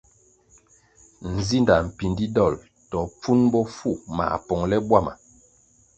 Nzinda mpindi dol to pfun bofu mā pongʼle bwama.